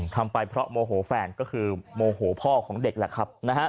ทำไปเพราะโมโหแฟนก็คือโมโหพ่อของเด็กแหละครับ